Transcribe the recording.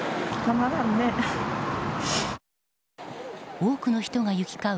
多くの人が行き交う